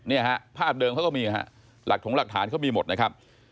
เนี่ยฮะภาพเดิมเขาก็มีฮะหลักถงหลักฐานเขามีหมดนะครับ